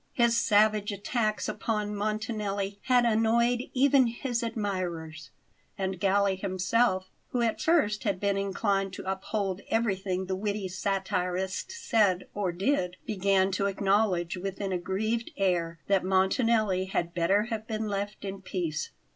His savage attacks upon Montanelli had annoyed even his admirers; and Galli himself, who at first had been inclined to uphold everything the witty satirist said or did, began to acknowledge with an aggrieved air that Montanelli had better have been left in peace.